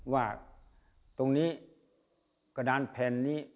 ว่าตรงนี้กระดานแผ่นนี้